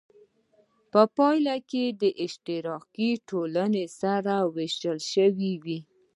په پایله کې اشتراکي ټولنې سره وویشل شوې.